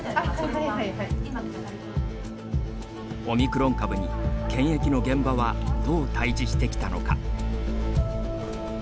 オミクロン株に検疫の現場はどう対じしてきたのか。